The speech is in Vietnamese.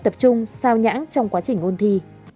tập trung sao nhãn trong quá trình ôn thi